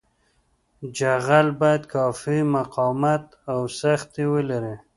جغل باید کافي مقاومت او سختي ولري